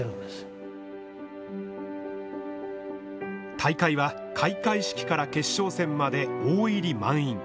大会は、開会式から決勝戦まで大入り満員。